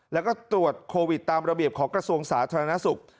แล้วก็ตรวจโควิดตามระเบียบของกระทรวงสาธารณสุข